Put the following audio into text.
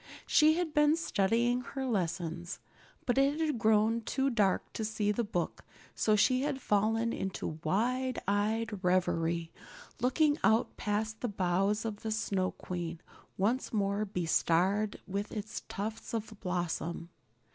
She had been studying her lessons, but it had grown too dark to see the book, so she had fallen into wide eyed reverie, looking out past the boughs of the Snow Queen, once more bestarred with its tufts of blossom.